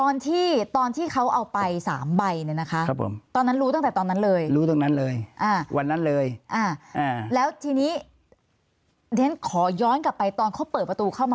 ในโทรศาสตร์กันเหรอครับผม